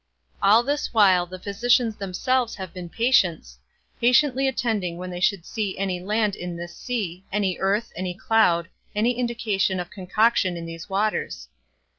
All this while the physicians themselves have been patients, patiently attending when they should see any land in this sea, any earth, any cloud, any indication of concoction in these waters.